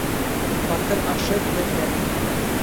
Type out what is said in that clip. Батыр ашы ерҙә.